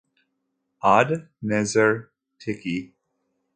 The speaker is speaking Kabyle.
Ad nẓer ticki.